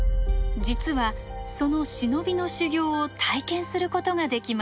実はその忍びの修行を体験することができます。